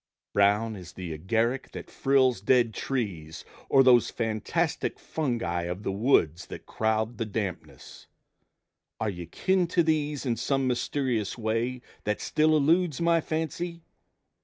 Brown as the agaric that frills dead trees, Or those fantastic fungi of the woods That crowd the dampness are you kin to these In some mysterious way that still eludes My fancy?